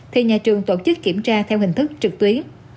thì nhà trường tổ chức kiểm tra theo hình thức trực tuyến